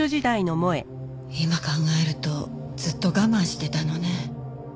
今考えるとずっと我慢してたのね。